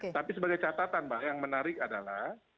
tapi sebagai catatan mbak yang menarik adalah